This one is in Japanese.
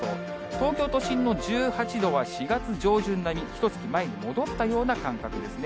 東京都心の１８度は、４月上旬並み、ひとつき前に戻ったような感覚ですね。